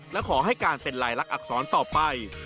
และขอให้การเป็นลายลักษณอักษรต่อไป